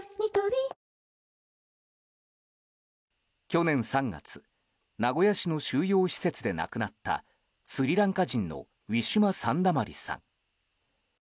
去年３月名古屋市の収容施設で亡くなったスリランカ人のウィシュマ・サンダマリさん。